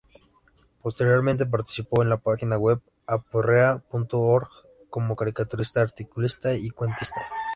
Posteriormente participó en la página web Aporrea.org como caricaturista, articulista y cuentista.